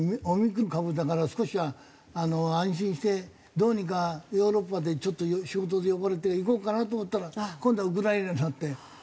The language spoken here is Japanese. オミクロン株だから少しは安心してどうにかヨーロッパでちょっと仕事で呼ばれて行こうかなと思ったら今度はウクライナになって。